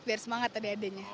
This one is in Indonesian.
biar semangat adanya